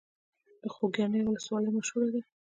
د خوږیاڼیو ولسوالۍ مشهوره ده